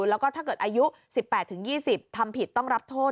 แล้วก็ถ้าเกิดอายุ๑๘๒๐ทำผิดต้องรับโทษ